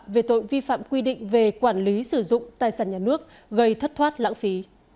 về tội vi phạm quy định về quản lý sử dụng tài sản nhà nước gây thất thoát lãng phí